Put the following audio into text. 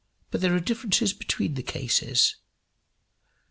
But there are differences between the cases.